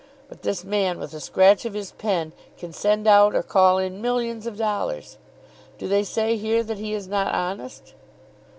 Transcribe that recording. But this man with a scratch of his pen can send out or call in millions of dollars. Do they say here that he is not honest?"